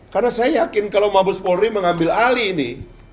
karena saya yakin kalau mabespori mengambil alih ini